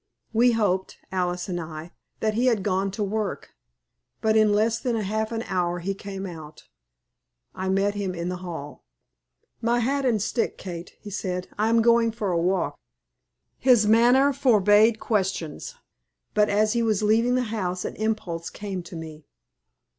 We hoped, Alice and I, that he had gone to work. But in less than half an hour he came out. I met him in the hall. "My hat and stick, Kate," he said. "I am going for a walk." His manner forbade questions, but as he was leaving the house an impulse came to me.